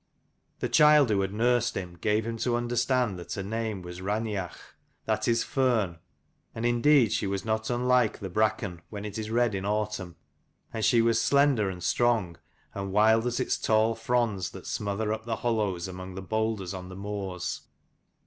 The child who had nursed him gave him to understand that her name was Raineach, that is Fern: and indeed she was not unlike the bracken when it is red in autumn, and she was slender and strong and wild as its tall fronds that smother up the hollows among the boulders on the moors.